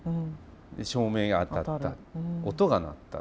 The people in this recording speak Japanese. で照明が当たった音が鳴った。